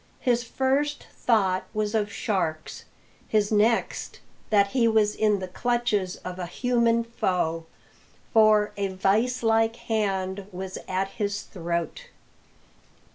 His first thought was of sharks; his next, that he was in the clutches of a human foe, for a vice like hand was at his throat.